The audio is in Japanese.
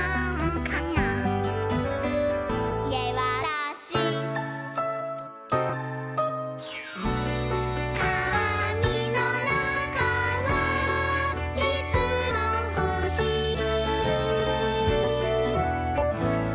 「かがみのなかはいつもふしぎ」